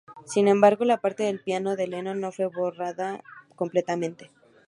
Sin embargo, la parte del piano de Lennon no fue borrada completamente.